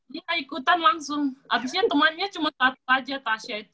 ya ikutan langsung abisnya temannya cuma satu aja tasya itu ya udah ikut